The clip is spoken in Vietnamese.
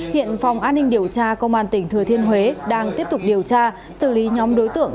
hiện phòng an ninh điều tra công an tỉnh thừa thiên huế đang tiếp tục điều tra xử lý nhóm đối tượng